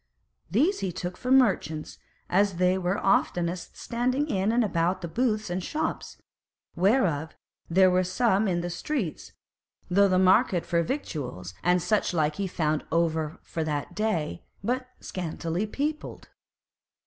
These he took for merchants, as they were oftenest standing in and about the booths and shops, whereof there were some in all the streets, though the market for victuals and such like he found over for that day, and but scantily peopled.